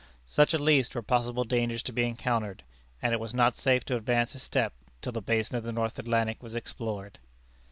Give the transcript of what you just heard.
Such at least were possible dangers to be encountered; and it was not safe to advance a step till the basin of the North Atlantic was explored.